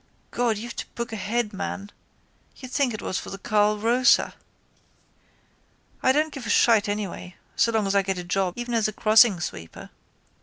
God, you've to book ahead, man, you'd think it was for the Carl Rosa. I don't give a shite anyway so long as I get a job, even as a crossing sweeper.